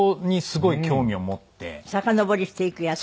さかのぼりしていくやつ？